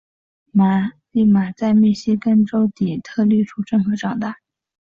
俪玛在密西根州底特律出生和长大。